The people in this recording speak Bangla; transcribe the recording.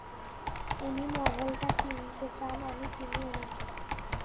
উনি মহলটা কিনতে চান, আমি চিনি উনাকে।